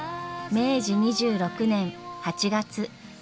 明治２６年８月。